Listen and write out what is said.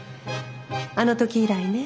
あの時以来ね。